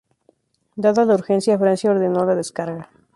Dada la urgencia, Francia ordenó la descarga.